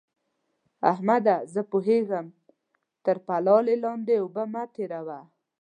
احمده! زه پوهېږم؛ تر پلالې لاندې اوبه مه تېروه.